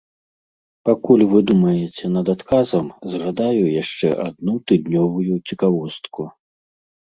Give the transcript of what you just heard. Пакуль вы думаеце над адказам, згадаю яшчэ адну тыднёвую цікавостку.